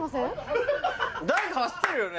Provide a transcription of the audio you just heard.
誰か走ってるよね？